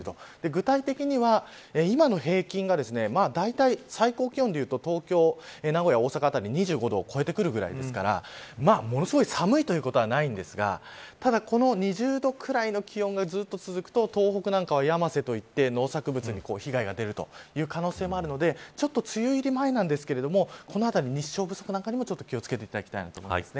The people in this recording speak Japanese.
具体的には、今の平均がだいたい最高気温でいうと東京、名古屋、大阪辺り２５度を超えてくるぐらいですからものすごい寒いということはないんですがただ、この２０度ぐらいの気温がずっと続くと東北なんかは、やませといって農作物に被害が出る可能性もあるので梅雨入り前なんですがこの辺り日照不足に気を付けていただきたいと思います。